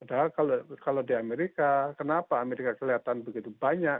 padahal kalau di amerika kenapa amerika kelihatan begitu banyak